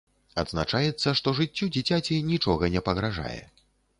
Адзначаецца, што жыццю дзіцяці нічога не пагражае.